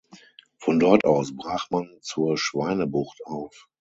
Von dort aus brach man zur Schweinebucht auf.